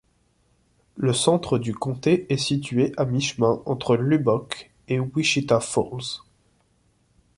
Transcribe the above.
Le centre du comté est situé à mi-chemin entre Lubbock et Wichita Falls.